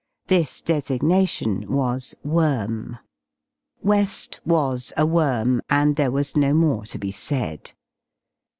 This designation was ''^worm^'' fVeSl was a ''''worm^^ and there was no more to be said.